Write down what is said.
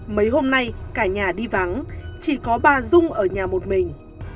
mấy hôm nay cả nhà đi vắng chỉ có bà dung ở nhà một mình